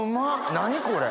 何これ？